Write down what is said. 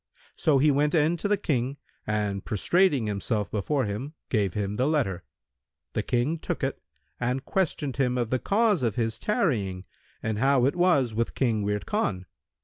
So he went in to the King and prostrating himself before him, gave him the letter. The King took it and questioned him of the cause of his tarrying and how it was with King Wird Khan.